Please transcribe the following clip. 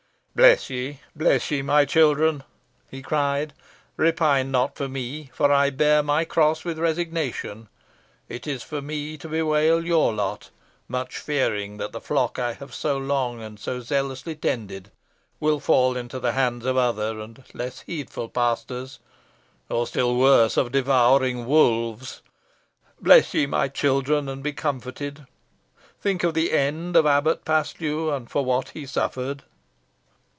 "Bless ye! bless ye! my children," he cried; "repine not for me, for I bear my cross with resignation. It is for me to bewail your lot, much fearing that the flock I have so long and so zealously tended will fall into the hands of other and less heedful pastors, or, still worse, of devouring wolves. Bless ye, my children, and be comforted. Think of the end of Abbot Paslew, and for what he suffered."